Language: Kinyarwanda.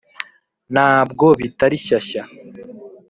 nabwo bitari shyashya ,